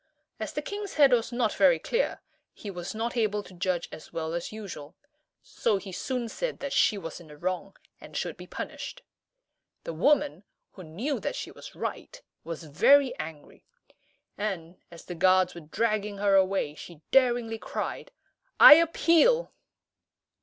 As the king's head was not very clear, he was not able to judge as well as usual: so he soon said that she was in the wrong, and should be punished. The woman, who knew that she was right, was very angry; and, as the guards were dragging her away, she daringly cried, "I appeal!"